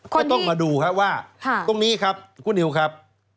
ก็ต้องมาดูครับว่าตรงนี้ครับคุณนิวครับ